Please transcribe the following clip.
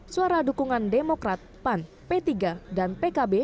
suara dukungan demokrat pan p tiga dan pkb